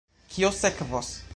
Kio sekvos?